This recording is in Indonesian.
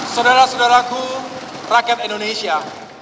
saudara saudaraku rakyat indonesia